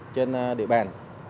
trên địa bàn